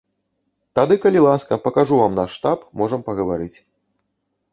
Тады калі ласка, пакажу вам наш штаб, можам пагаварыць.